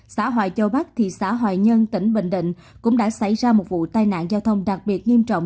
xã hoài châu bắc thị xã hoài nhân tỉnh bình định cũng đã xảy ra một vụ tai nạn giao thông đặc biệt nghiêm trọng